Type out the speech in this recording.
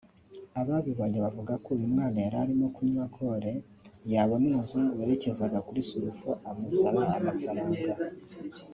Ababibonye bavuga ko uyu mwana yari arimo kunywa kore yabona umuzungu werekezaga kuri Sulfo amusaba amafaranga